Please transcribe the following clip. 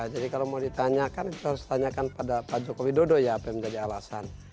jadi kalau mau ditanyakan harus ditanyakan pada pak joko widodo ya apa yang menjadi alasan